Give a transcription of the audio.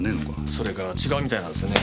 それが違うみたいなんですよね。